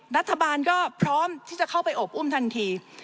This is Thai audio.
รัฐบาลก็พร้อมที่จะเข้าไปอบอุ้มทันที